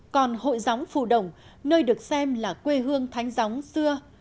còn hội gióng phù đồng nơi được xem là quê hương thánh gióng xưa